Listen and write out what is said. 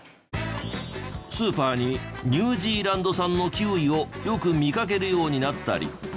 スーパーにニュージーランド産のキウイをよく見かけるようになったり。